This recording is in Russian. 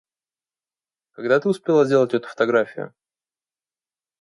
Когда ты успела сделать эту фотографию?